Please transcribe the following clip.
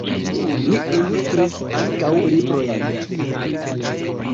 Li ilustris ankaŭ librojn.